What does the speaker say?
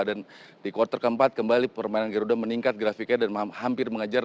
dan di quarter keempat kembali permainan garuda meningkat grafiknya dan hampir mengajar